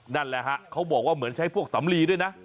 นั่นแหละฮะเขาบอกว่าเหมือนใช้พวกสำลีด้วยนะ